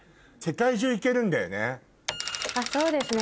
そうですね